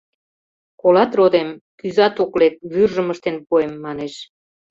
— Колат, родем, кӱзат ок лек, вӱржым ыштен пуэм, — манеш.